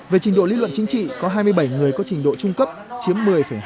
về trình độ lý luận chính trị có hai mươi bảy người có trình độ trung cấp chiếm một mươi hai